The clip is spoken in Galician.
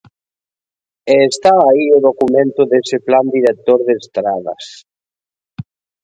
E está aí o documento dese plan director de estradas.